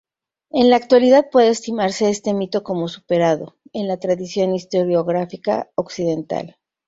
En la actualidad puede estimarse este mito como superado, en la tradición historiográfica occidental.